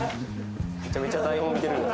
めちゃめちゃ台本見てるよ